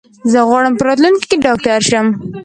زه غواړم په راتلونکي کې ډاکټر شم.